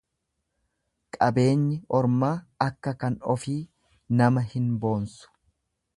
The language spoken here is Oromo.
Qabeenyi ormaa akka kan ofii nama hin boonsu.